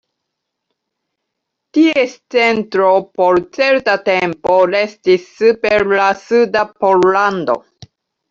Ties centro por certa tempo restis super la suda Pollando.